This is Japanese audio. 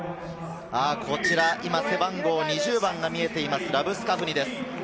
背番号２０番が見えています、ラブスカフニです。